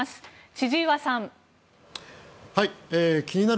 千々岩さん。